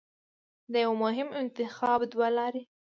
د یوه مهم انتخاب دوه لارې